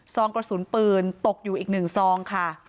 ซองกระสุนปืนตกอยู่อีก๑ซองค่ะ